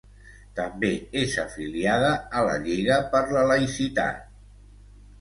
També és afiliada a la Lliga per la Laïcitat.